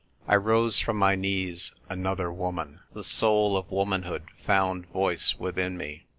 I rose from my knees another woman. The soul of womanhood found voice within me.